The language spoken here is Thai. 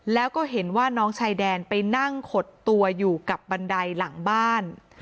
แล้วก็เห็นว่าน้องชายแดนไปนั่งขดตัวอยู่กับบันไดหลังบ้าน